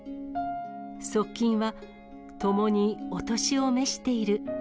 側近は、ともにお年を召している。